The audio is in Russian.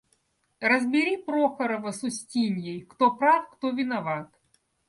– Разбери Прохорова с Устиньей, кто прав, кто виноват.